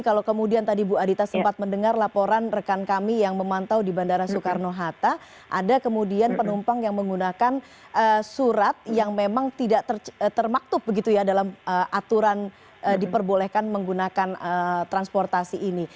kalau kemudian tadi bu adita sempat mendengar laporan rekan kami yang memantau di bandara soekarno hatta ada kemudian penumpang yang menggunakan surat yang memang tidak termaktub begitu ya dalam aturan diperbolehkan menggunakan transportasi ini